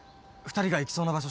２人が行きそうな場所